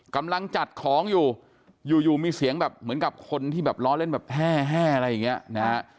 กำลังจัดของอยู่อยู่มีเสียงแบบเหมือนกับคนที่แบบล้อเล่นแบบแห้อะไรอย่างเงี้ยนะฮะ